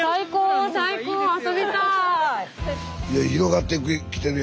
いや広がってきてるやんか。